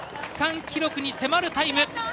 区間記録に迫るタイム。